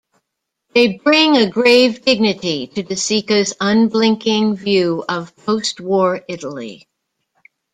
They bring a grave dignity to De Sica's unblinking view of post-war Italy.